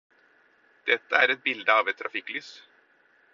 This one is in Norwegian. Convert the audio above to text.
Dette er et bilde av et trafikklys.